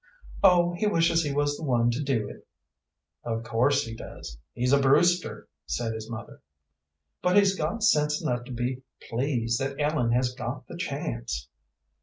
"Oh, he wishes he was the one to do it." "Of course he does he's a Brewster," said his mother. "But he's got sense enough to be pleased that Ellen has got the chance."